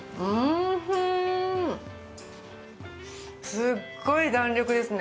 すっごい弾力ですね。